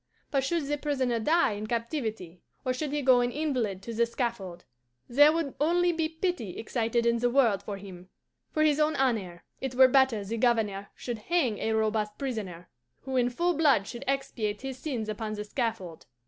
But should the prisoner die in captivity, or should he go an invalid to the scaffold, there would only be pity excited in the world for him. For his own honour, it were better the Governor should hang a robust prisoner, who in full blood should expiate his sins upon the scaffold.